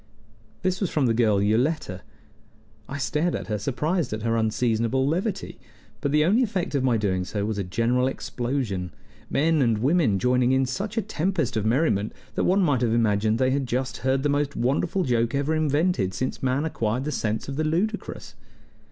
This was from the girl Yoletta. I stared at her, surprised at her unseasonable levity; but the only effect of my doing so was a general explosion, men and women joining in such a tempest of merriment that one might have imagined they had just heard the most wonderful joke ever invented since man acquired the sense of the ludicrous.